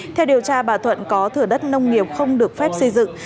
theo điều tra bà thuận có thửa đất nông nghiệp không được phép xây dựng